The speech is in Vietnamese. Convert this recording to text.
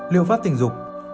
liệu pháp tình dục